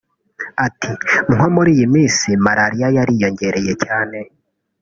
Ati “Nko muri iyi minsi malariya yariyongereye cyane